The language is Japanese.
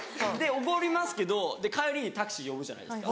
おごりますけど帰りにタクシー呼ぶじゃないですか。